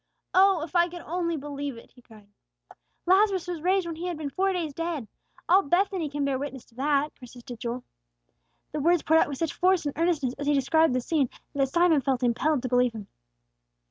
"Oh, if I could only believe it!" he cried. "Lazarus was raised when he had been four days dead. All Bethany can bear witness to that," persisted Joel. The words poured out with such force and earnestness, as he described the scene, that Simon felt impelled to believe him.